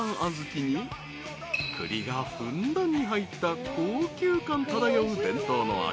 ［栗がふんだんに入った高級感漂う伝統の味］